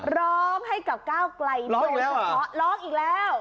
ร้องให้กับก้าวไกรร้องอีกแล้วอ่ะร้องอีกแล้ว